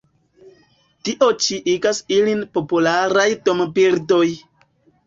Tio ĉi igas ilin popularaj dombirdoj.